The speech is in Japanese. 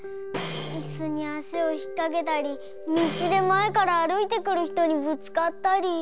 いすにあしをひっかけたりみちでまえからあるいてくるひとにぶつかったり。